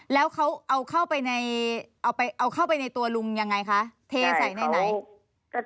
แล้วเขาเอาเข้าไปในตัวลุงอย่างไรคะเทใส่ไหน